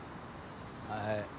はい。